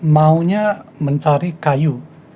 maunya mencari kayu